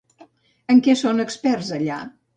En què són experts allà?